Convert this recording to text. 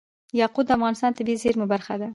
یاقوت د افغانستان د طبیعي زیرمو برخه ده.